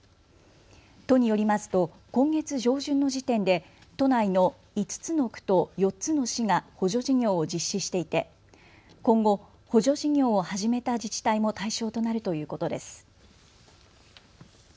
都によりますと今月上旬の時点で都内の５つの区と４つの市が補助事業を実施していて今後、補助事業を始めた自治体も対象となるということです。